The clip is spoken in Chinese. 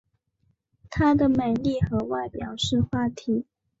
她的美丽和外表是话题。